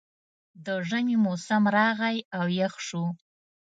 د ژمي موسم راغی او یخ شو